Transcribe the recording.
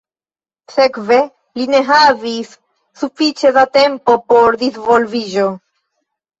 Sekve li ne havis sufiĉe da tempo por disvolviĝo.